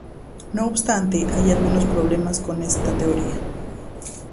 No obstante, hay algunos problemas con esta teoría.